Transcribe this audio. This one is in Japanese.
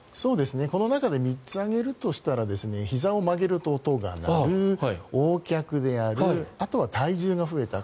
この中で３つ挙げるとしたらひざを曲げると音が鳴るＯ脚であるあとは体重が増えた。